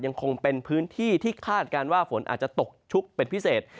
ยังคงเป็นพื้นที่ที่คาดการณ์ว่าฝนอาจจะตกชุกเป็นพิเศษ